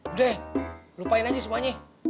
udah lupain aja semuanya